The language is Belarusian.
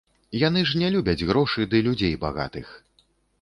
Яны ж не любяць грошы ды людзей багатых.